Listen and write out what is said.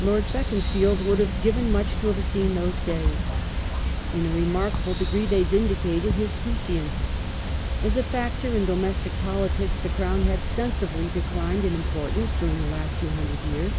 Lord Beaconsfield would have given much to have seen those days. In a remarkable degree they vindicated his prescience. As a factor in domestic politics the Crown had sensibly declined in importance during the last two hundred years.